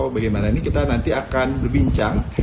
bagaimana ini kita nanti akan berbincang